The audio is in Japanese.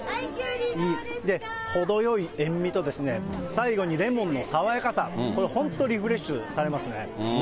程よい塩味と最後にレモンの爽やかさ、これ、本当リフレッシュされますね。